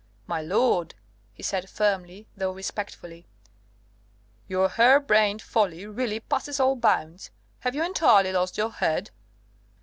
"My lord," he said firmly though respectfully, "your hair brained folly really passes all bounds. Have you entirely lost your head?"